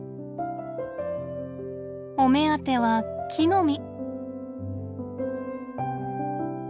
お目当ては木の実。